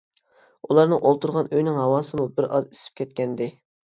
ئۇلارنىڭ ئولتۇرغان ئۆيىنىڭ ھاۋاسىمۇ بىر ئاز ئىسسىپ كەتكەنىدى.